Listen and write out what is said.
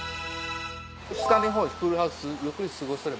下の方クールハウスゆっくり過ごせる。